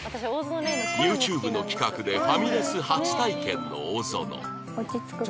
ＹｏｕＴｕｂｅ の企画でファミレス初体験の大園